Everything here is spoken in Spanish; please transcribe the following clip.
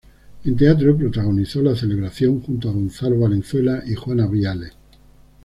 En teatro protagonizó "La celebración" junto a Gonzalo Valenzuela y Juana Viale.